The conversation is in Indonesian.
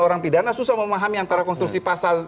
orang pidana susah memahami antara konstruksi pasal